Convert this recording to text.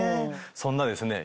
そんなですね